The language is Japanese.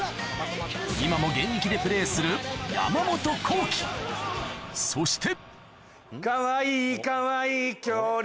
今も現役でプレーするそして